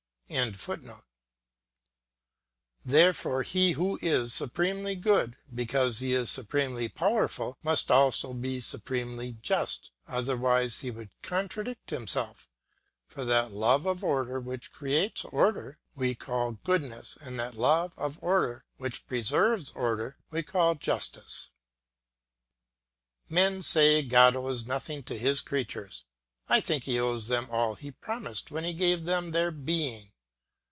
] Therefore he who is supremely good, because he is supremely powerful, must also be supremely just, otherwise he would contradict himself; for that love of order which creates order we call goodness and that love of order which preserves order we call justice. Men say God owes nothing to his creatures. I think he owes them all he promised when he gave them their being.